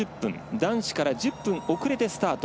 男子から１０分遅れてスタート。